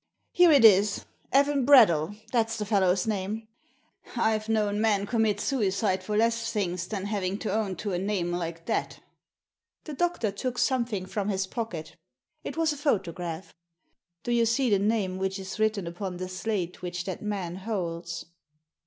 " Here it is — Evan Bradell — that's the fellow's name I've known men commit suicide for less things than having to own to a name like that" The doctor took something from his pocket It was a photograph. " Do you see the name which is written upon the slate which that man holds